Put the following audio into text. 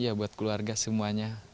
ya buat keluarga semuanya